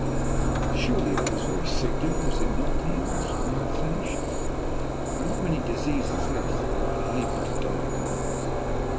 "Surely that is very singular, is it not?" he asked, when I had finished. "There are not many diseases left that they are unable to diagnose."